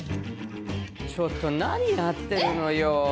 ちょっと何やってるのよ。